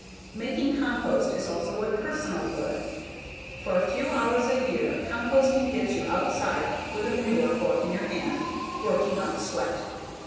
Making compost is also a "personal good." For a few hours a year, composting gets you outside with a manure fork in your hand, working up a sweat.